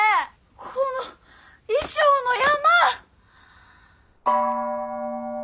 この衣装の山！